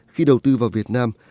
khi đầu tư vào việt nam